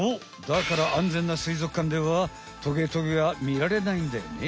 だからあんぜんなすいぞくかんではトゲトゲは見られないんだよね。